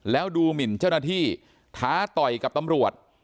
แล้วดูหมินเจ้าหน้าที่ท้าต่อยกับตำรวจ